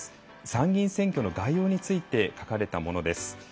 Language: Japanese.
参議院選挙の概要について書かれたものです。